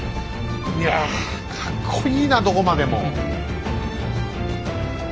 いやかっこいいなどこまでも！